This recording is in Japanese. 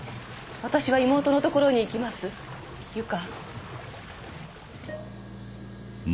「私は妹の所に行きます由香」